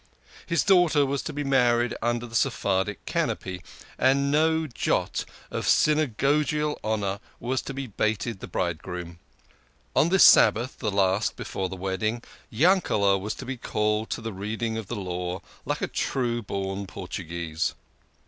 His daughter was to be married under the Sephardic canopy, and no jot of synagogual honour was to be bated the bridegroom. On this Sabbath the last before the wedding Yankel was to be called to the Reading of the Law like a true born Portuguese.